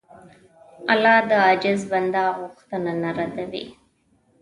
الله د عاجز بنده غوښتنه نه ردوي.